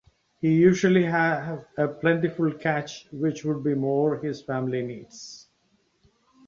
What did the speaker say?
He usually have a plentiful catch which would be more his family needs.